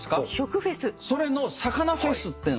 それの魚フェスっていうのが。